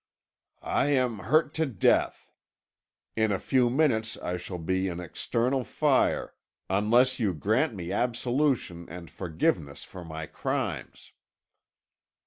"I am hurt to death. In a few minutes I shall be in eternal fire unless you grant me absolution and forgiveness for my crimes."